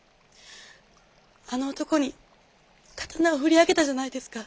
あの男に刀を振り上げたじゃないですか。